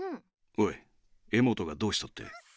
おいエモトがどうしたって？